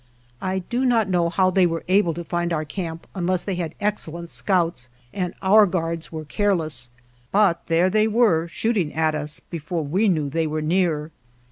I do not know how they were able to find our camp unless they had excellent scouts and our guards were careless, but there they were shooting at us before we knew they were near.